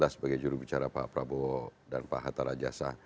sebagai juru bicara pak prabowo dan pak hatta rajasa